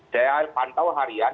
saya pantau harian